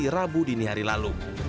rabu dini hari lalu